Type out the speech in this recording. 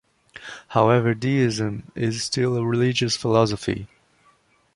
However deism is still a religious philosophy.